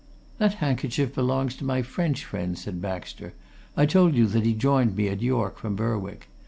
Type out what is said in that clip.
"That handkerchief belongs to my French friend," said Baxter. "I told you that he joined me at York from Berwick.